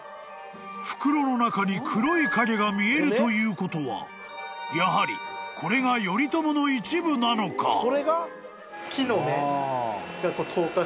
［袋の中に黒い影が見えるということはやはりこれが頼朝の一部なのか？］